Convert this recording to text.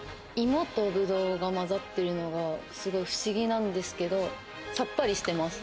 芋とブドウがまざってるのがすごい不思議なんですけど、さっぱりしてます。